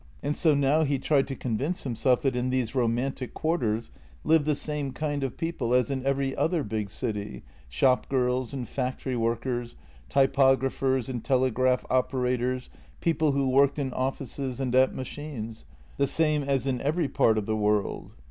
And so now he tried to convince himself that in these romantic quarters lived the same kind of people as in every other big city — shopgirls and fac tory workers, typographers and telegraph operators, people who worked in offices and at machines, the same as in every part of the world.